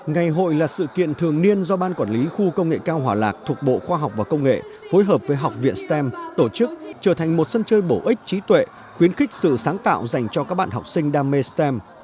ngày hội là sự kiện thường niên do ban quản lý khu công nghệ cao hỏa lạc thuộc bộ khoa học và công nghệ phối hợp với học viện stem tổ chức trở thành một sân chơi bổ ích trí tuệ khuyến khích sự sáng tạo dành cho các bạn học sinh đam mê stem